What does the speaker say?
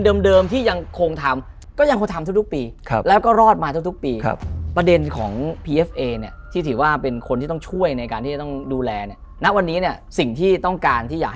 ทีมเดิมที่ยังคงทำ